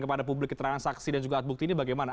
kepada publik keterangan saksi dan juga atbukti ini bagaimana